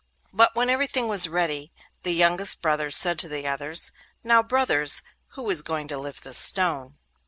But when everything was ready, the youngest brother said to the others: 'Now, brothers, who is going to lift this stone?